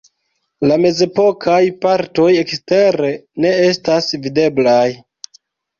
La mezepokaj partoj ekstere ne estas videblaj.